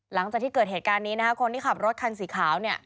หลังจากที่เกิดเหตุการณ์นี้นะคะคนที่ขับรถคันสีขาวเนี่ย